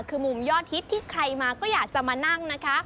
คือมุมยอดฮิตที่ใครมาก็อยากจะมานั่งนะคะ